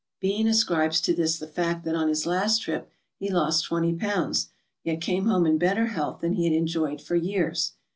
Bean ascribes to this the fact that on his last trip he losit twenty pounds, yet came home in better health than he had enjoyed for years.